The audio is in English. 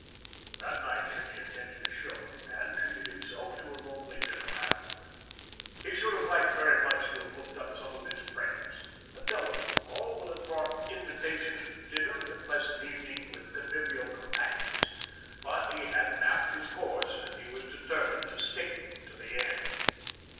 That night Jimmy attended a show, and treated himself to a lonely dinner afterward. He should have liked very much to have looked up some of his friends. A telephone call would have brought invitations to dinner and a pleasant evening with convivial companions, but he had mapped his course and he was determined to stick to it to the end.